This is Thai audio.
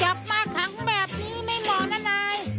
กลับมาขังแบบนี้ไม่เหมาะนะนาย